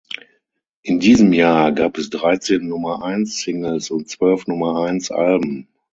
In diesem Jahr gab es dreizehn Nummer-eins-Singles und zwölf Nummer-eins-Alben.